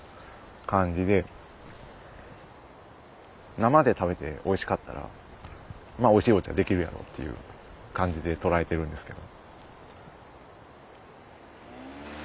生で食べておいしかったらおいしいお茶出来るやろうっていう感じで捉えてるんですけど。